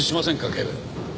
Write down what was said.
警部。